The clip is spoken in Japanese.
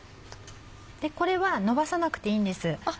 でこれはのばさなくていいんです。